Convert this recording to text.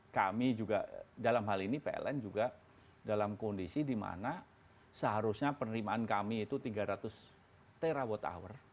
kami juga dalam hal ini pln juga dalam kondisi di mana seharusnya penerimaan kami itu tiga ratus terawatt hour